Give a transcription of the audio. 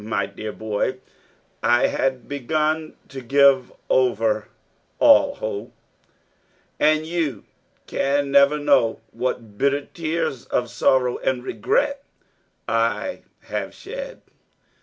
My dear boy, I had begun to give over all hope and you can never know what bitter tears of sorrow and regret I have shed.